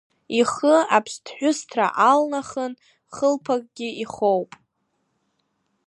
Ихы аԥсҭҳәысҭра алнахын, хылԥакгьы ихоуп.